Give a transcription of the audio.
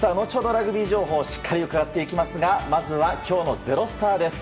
ラグビー情報しっかりと伺っていきますがまずは今日の「＃ｚｅｒｏｓｔａｒ」です。